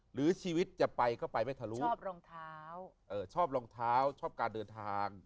หรือชีวิตจะไปก็ไปไม่ทะลุชอบรองเท้าชอบการเดินทาง